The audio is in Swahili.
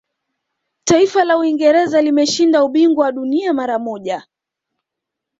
taifa la uingereza limeshinda ubingwa wa dunia mara moja